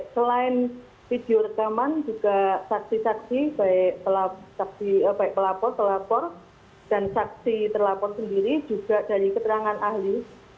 selain video rekaman juga saksi saksi baik pelapor pelapor dan saksi terlapor sendiri juga dari keterangan ahli